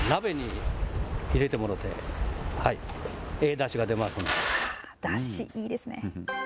だし、いいですね。